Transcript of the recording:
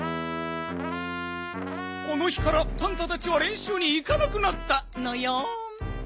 この日からパンタたちはれんしゅうにいかなくなったのよん。